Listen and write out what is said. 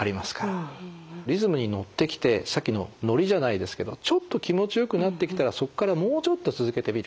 リズムにのってきてさっきのノリじゃないですけどちょっと気持ちよくなってきたらそこからもうちょっと続けてみる。